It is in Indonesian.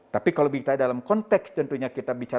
tapi kalau kita dalam konteks tentunya